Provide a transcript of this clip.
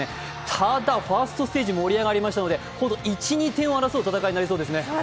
ただ、ファーストステージ盛り上がりましたのでほんと１２点を争う戦いになりそうですね。